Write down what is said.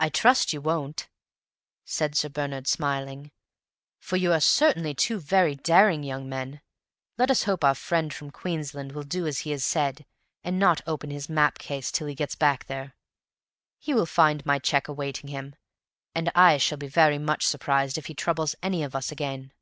"I trust you won't," said Sir Bernard, smiling, "for you are certainly two very daring young men. Let us hope our friend from Queensland will do as he said, and not open his map case till he gets back there. He will find my check awaiting him, and I shall be very much surprised if he troubles any of us again."